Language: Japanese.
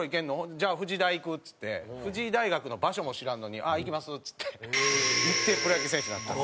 「じゃあ富士大行く」っつって富士大学の場所も知らんのに「ああ行きます」っつって行ってプロ野球選手になったんです。